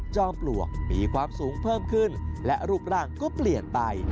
ปลวกมีความสูงเพิ่มขึ้นและรูปร่างก็เปลี่ยนไป